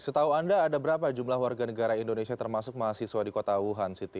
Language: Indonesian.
setahu anda ada berapa jumlah warga negara indonesia termasuk mahasiswa di kota wuhan siti